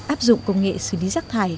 áp dụng công nghệ xử lý rác thải